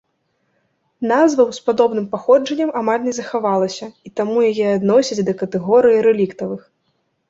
Назваў з падобным паходжаннем амаль не захавалася, і таму яе адносяць да катэгорыі рэліктавых.